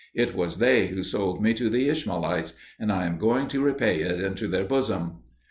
It was they who sold me to the Ishmaelites, and I am going to repay it into their bosom.'